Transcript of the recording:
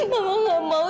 mama gak mau